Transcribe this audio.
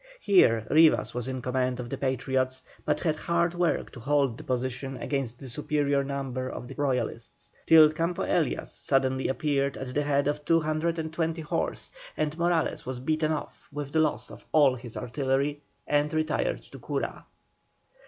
Here Rivas was in command of the Patriots, but had hard work to hold the position against the superior numbers of the Royalists, till Campo Elias suddenly appeared at the head of 220 horse, and Morales was beaten off with the loss of all his artillery, and retired to Cura.